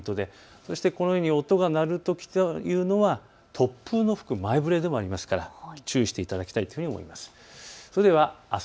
そして、このように音が鳴るときっていうのは突風の吹く前触れでもありますから注意していただきたいというふうに思います。